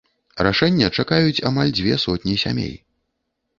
Рашэння чакаюць амаль дзве сотні сямей.